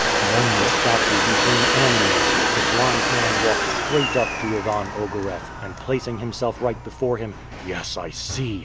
Then the statue became animated, the blind man walked straight up to Ivan Ogareff, and placing himself right before him, "Yes, I see!"